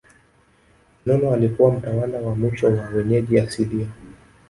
Nono alikuwa mtawala wa mwisho wa wenyeji asilia